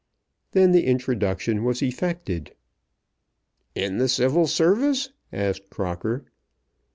Then the introduction was effected. "In the Civil Service?" asked Crocker.